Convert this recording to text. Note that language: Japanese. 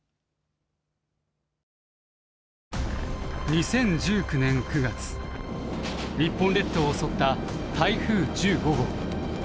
２０１９年９月日本列島を襲った台風１５号。